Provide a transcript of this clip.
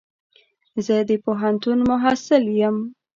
زه د پوهنتون محصل يم.